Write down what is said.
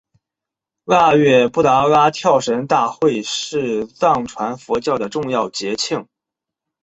腊月布拉达跳神大会是藏传佛教的重要节庆。